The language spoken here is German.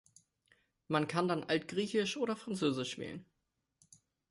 Man kann dann Altgriechisch oder Französisch wählen.